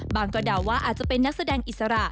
ก็เดาว่าอาจจะเป็นนักแสดงอิสระ